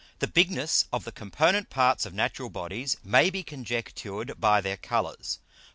_The bigness of the component parts of natural Bodies may be conjectured by their Colours.